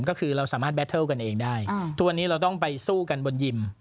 ก็คือเราสามารถแบตเทิลกันเองได้ทุกวันนี้เราต้องไปสู้กันบนยิม